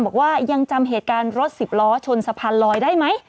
บอกว่ายังจำเหตุการณ์รถสิบล้อชนสะพานลอยได้ไหม